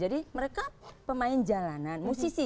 jadi mereka pemain jalanan musisi